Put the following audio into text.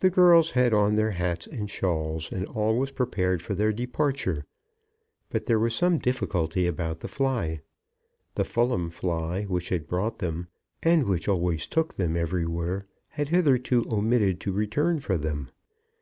The girls had on their hats and shawls, and all was prepared for their departure; but there was some difficulty about the fly. The Fulham fly which had brought them, and which always took them everywhere, had hitherto omitted to return for them.